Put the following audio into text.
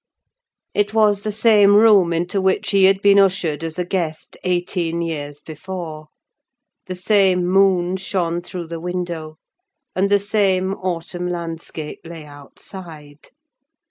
It was the same room into which he had been ushered, as a guest, eighteen years before: the same moon shone through the window; and the same autumn landscape lay outside.